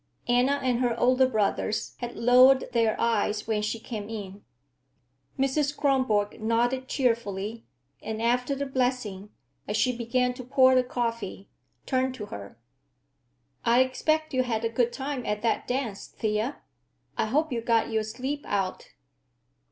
Anna and her older brothers had lowered their eyes when she came in. Mrs. Kronborg nodded cheerfully, and after the blessing, as she began to pour the coffee, turned to her. "I expect you had a good time at that dance, Thea. I hope you got your sleep out."